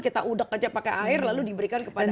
kita udek aja pakai air lalu diberikan kepada anak